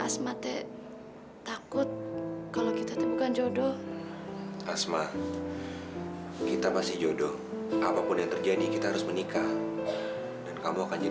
sampai jumpa di video selanjutnya